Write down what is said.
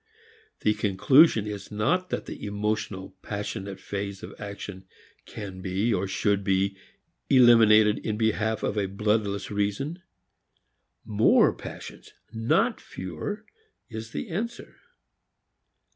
The conclusion is not that the emotional, passionate phase of action can be or should be eliminated in behalf of a bloodless reason. More "passions," not fewer, is the answer.